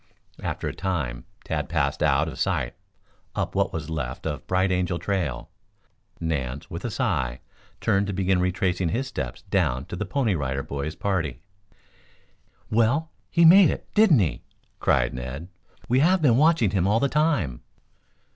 After a time Tad passed out of sight up what was left of Bright Angel Trail. Nance, with a sigh, turned to begin retracing his steps down to the Pony Rider Boys' party. "Well, he made it, didn't he?" cried Ned. "We have been watching him all the time."